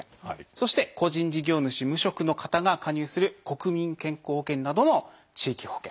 そして個人事業主無職の方が加入する国民健康保険などの地域保険。